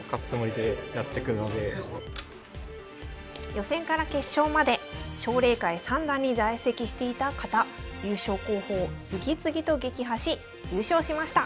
予選から決勝まで奨励会三段に在籍していた方優勝候補を次々と撃破し優勝しました。